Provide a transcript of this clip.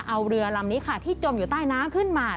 เอาเรือลำนี้ค่ะที่จมอยู่ใต้น้ำขึ้นมา